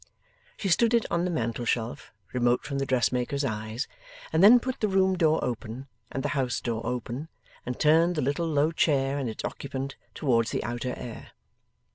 She stood it on the mantelshelf, remote from the dressmaker's eyes, and then put the room door open, and the house door open, and turned the little low chair and its occupant towards the outer air.